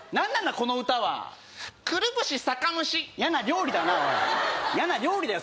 この歌はくるぶし酒蒸しやな料理だなおいやな料理だよ